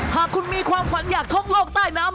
หากคุณมีความฝันอยากท่องโลกใต้น้ำ